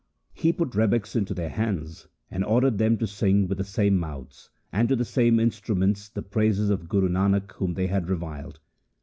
He put rebecks into their hands, and ordered them to sing with the same mouths and to the same instruments the praises of Guru Nanak whom they had reviled.